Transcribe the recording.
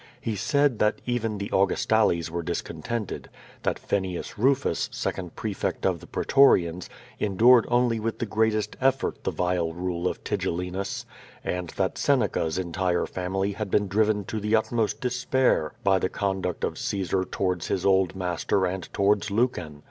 He said that even the Augustales were discontented; that Fenius Rufus, second prefect of the pretorians, endured only with the greatest effort the vile rule of Tilleginus; and that Sene ca's entire family had been driven to the utmost despair by the conduct of Caesar towards his old master and towards Lucan.